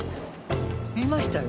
見ましたよ。